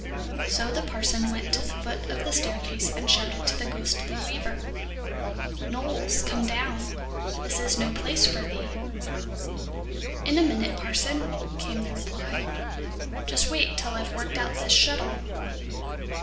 So the parson went to the foot of the staircase and shouted to the ghostly weaver: "Knowles, come down! This is no place for thee." "In a minute, parson," came the reply; "just wait till I've worked out this shuttle."